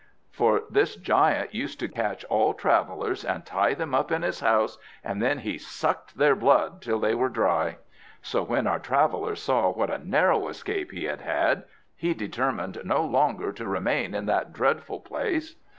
For this giant used to catch all travellers and tie them up in his house, and then he sucked their blood till they were dry. So when our traveller saw what a narrow escape he had had, he determined no longer to remain in that dreadful place.